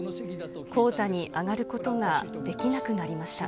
高座に上がることができなくなりました。